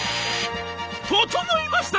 「整いました！